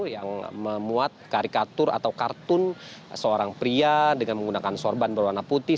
yang memuat karikatur atau kartun seorang pria dengan menggunakan sorban berwarna putih